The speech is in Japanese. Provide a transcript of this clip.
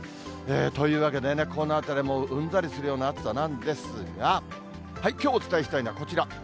というわけでね、このあたりもうんざりするような暑さなんですが、きょうお伝えしたいのはこちら。